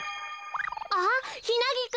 あっヒナギク。